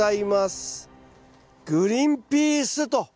グリーンピースと。